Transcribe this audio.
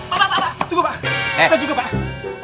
pak pak pak pak tunggu pak